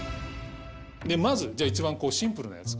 まずじゃあ一番シンプルなやつ。